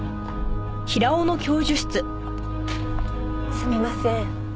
すみません。